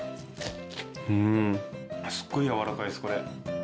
うんすっごいやわらかいですこれ。